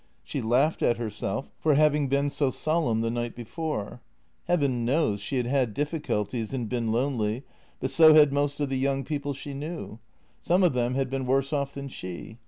She laughed at herself for having been so solemn the night before. Heaven knows, she had had difficulties and been lonely, but so had most of the young people she knew. Some JENNY 103 of them had been worse off than she.